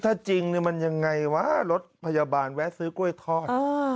ถ้าจริงมันยังไงวะรถพยาบาลแวะซื้อกล้วยทอด